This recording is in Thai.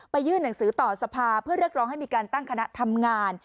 ยื่นหนังสือต่อสภาเพื่อเรียกร้องให้มีการตั้งคณะทำงาน